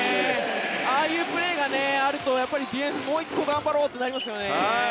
ああいうプレーがあるとディフェンス、もう１個頑張ろうってなりますよね。